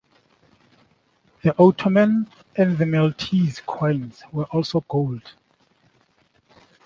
The Ottoman and the Maltese coins were also gold.